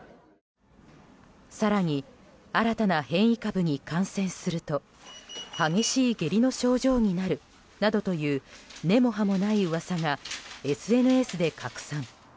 更に、新たな変異株に感染すると激しい下痢の症状になるなどという根も葉もない噂がＳＮＳで拡散。